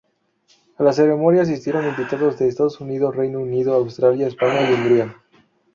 A la ceremonia asistieron invitados de Estados Unidos, Reino Unido, Austria, España y Hungría.